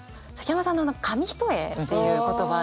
崎山さんの「紙一重」っていう言葉。